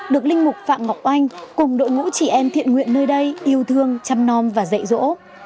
được linh mục phạm ngọc anh cùng đội ngũ chỉ em thiện nguyện nơi đây yêu thương chăm non và dạy dỗ